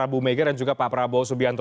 bumega dan juga pak prabowo